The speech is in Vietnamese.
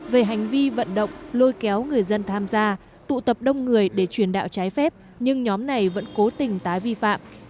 về hành vi vận động lôi kéo người dân tham gia tụ tập đông người để truyền đạo trái phép nhưng nhóm này vẫn cố tình tái vi phạm